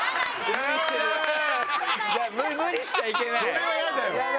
それはイヤだよ。